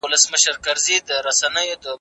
كه اورونه ابدي غواړئ بچيانو